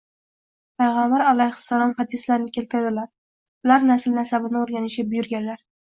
Payg‘ambar alayhissalom hadislarini keltirdilar, ular nasl-nasabni o‘rganishga buyurganlar